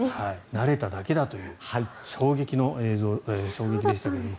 慣れただけだという衝撃の映像でした。